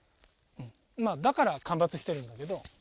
まあだから間伐してるんだけど。